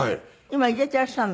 今入れていらっしゃるの？